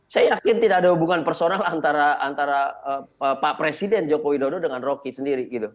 saya yakin tidak ada hubungan personal antara pak presiden joko widodo dengan rocky sendiri